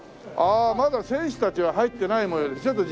ああまだ選手たちは入ってない模様です。